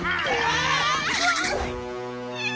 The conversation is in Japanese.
あ！